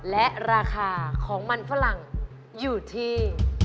และราคาของมันฝรั่งอยู่ที่